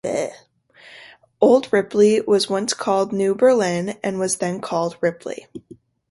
Old Ripley was once called New Berlin and was then called Ripley.